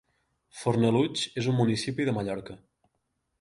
Fornalutx és un municipi de Mallorca.